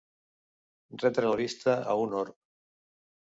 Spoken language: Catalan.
Retre la vista a un orb.